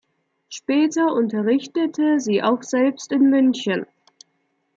Später unterrichtete sie auch selbst in München.